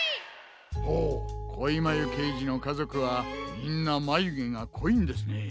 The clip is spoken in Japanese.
ほうこいまゆけいじのかぞくはみんなまゆげがこいんですね。